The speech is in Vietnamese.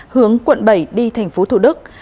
hướng quận bảy đi thành phố thủ đức